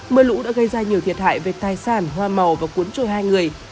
mưa lũ đã gây ra nhiều thiệt hại về tài sản hoa màu và cuốn trôi hai người